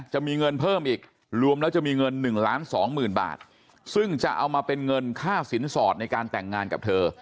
จะมีเงินเพิ่มอีกรวมแล้วจะมีเงิน๑ล้านสองหมื่นบาทซึ่งจะเอามาเป็นเงินค่าสินสอดในการแต่งงานกับเธอ